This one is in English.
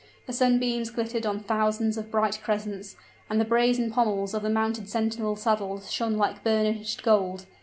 The sunbeams glittered on thousands of bright crescents; and the brazen pommels of the mounted sentinels' saddles shone like burnished gold.